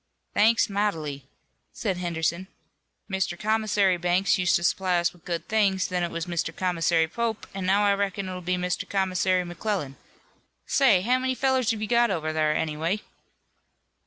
"Thanks mightily," said Henderson. "Mr. Commissary Banks used to supply us with good things, then it was Mr. Commissary Pope, and now I reckon it'll be Mr. Commissary McClellan. Say, how many fellers have you got over thar, anyway?"